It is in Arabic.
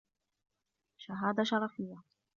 شهادة شرفية